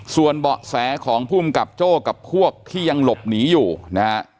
ส่วนเบาะแสของภูมิกับโจ้กับพวกที่ยังหลบหนีอยู่นะฮะ